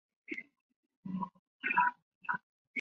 德寿县是越南河静省下辖的一个县。